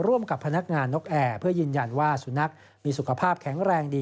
ร่วมกับพนักงานนกแอร์เพื่อยืนยันว่าสุนัขมีสุขภาพแข็งแรงดี